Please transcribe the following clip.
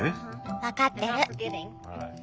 分かってる。